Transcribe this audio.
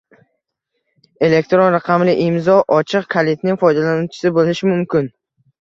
elektron raqamli imzo ochiq kalitining foydalanuvchisi bo‘lishi mumkin.